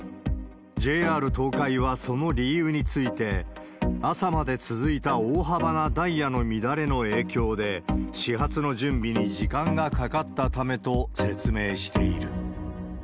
ＪＲ東海はその理由について、朝まで続いた大幅なダイヤの乱れの影響で、始発の準備に時間がかかったためと説明している。